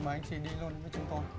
mời anh chị đi luôn với chúng tôi